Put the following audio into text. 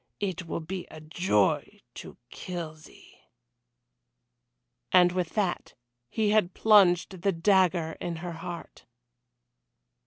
It will be a joy to kill thee!" And with that he had plunged the dagger in her heart.